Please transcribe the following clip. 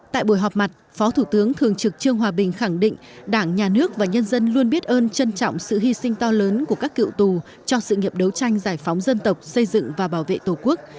tại buổi họp mặt phó thủ tướng thường trực trương hòa bình khẳng định đảng nhà nước và nhân dân luôn biết ơn trân trọng sự hy sinh to lớn của các cựu tù cho sự nghiệp đấu tranh giải phóng dân tộc xây dựng và bảo vệ tổ quốc